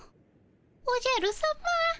おじゃるさま。